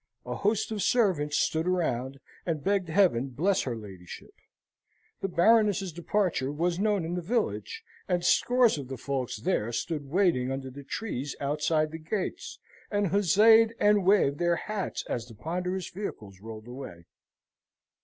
A host of servants stood around, and begged Heaven bless her ladyship. The Baroness's departure was known in the village, and scores of the folks there stood waiting under the trees outside the gates, and huzzayed and waved their hats as the ponderous vehicles rolled away.